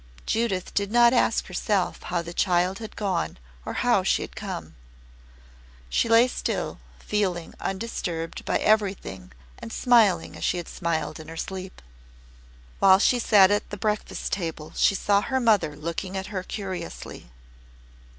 Judith did not ask herself how the child had gone or how she had come. She lay still, feeling undisturbed by everything and smiling as she had smiled in her sleep. While she sat at the breakfast table she saw her mother looking at her curiously.